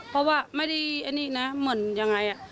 เพราะว่าไม่ได้อันนี้นะเหมือนยังไง